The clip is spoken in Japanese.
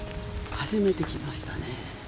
初めて来ましたね。